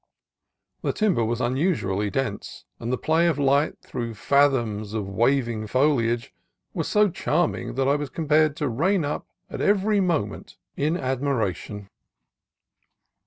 The timber was unusually dense, and the play of light through fathoms of waving foliage was so charming that I was compelled to rein up every mo ment in admiration.